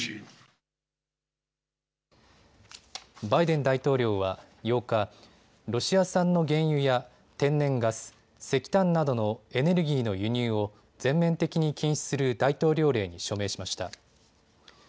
バイデン大統領は８日、ロシア産の原油や天然ガス、石炭などのエネルギーの輸入を全面的に禁止する大統領令に署名しました。